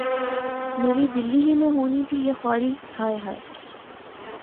میری‘ دلی ہی میں ہونی تھی یہ خواری‘ ہائے ہائے!